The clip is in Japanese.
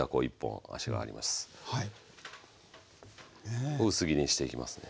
はい。を薄切りにしていきますね。